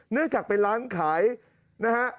เนื่องจากเป็นร้านขายนะฮะ